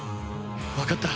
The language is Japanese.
わかった。